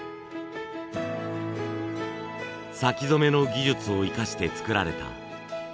先染めの技術を生かして作られたこのストール。